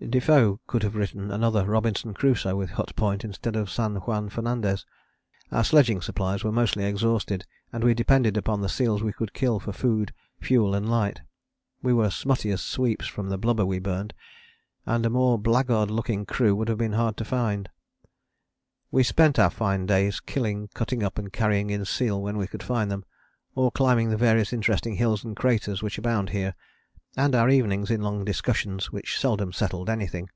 '" Defoe could have written another Robinson Crusoe with Hut Point instead of San Juan Fernandez. Our sledging supplies were mostly exhausted and we depended upon the seals we could kill for food, fuel and light. We were smutty as sweeps from the blubber we burned; and a more blackguard looking crew would have been hard to find. We spent our fine days killing, cutting up and carrying in seal when we could find them, or climbing the various interesting hills and craters which abound here, and our evenings in long discussions which seldom settled anything.